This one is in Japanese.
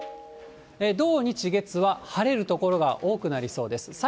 土、日、月は晴れる所が多くなりそうです。